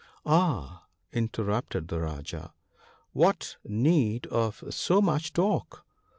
" Ah !" interrupted the Rajah, " what need of so much talk